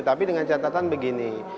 tapi dengan catatan begini